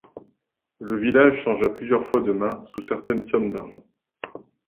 Le village changea plusieurs fois de mains sous certaines sommes d'argent.